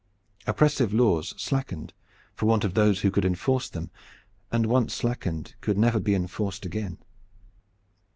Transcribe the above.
Oppressive laws slackened for want of those who could enforce them, and once slackened could never be enforced again.